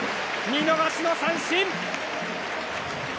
見逃し三振！